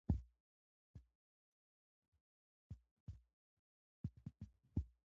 انار د افغانستان د تکنالوژۍ له پرمختګ سره نږدې تړاو لري.